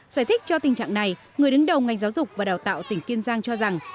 giải thích cho tình trạng này người đứng đầu ngành giáo dục và đào tạo tỉnh kiên giang cho rằng